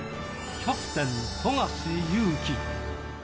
キャプテン、富樫勇樹。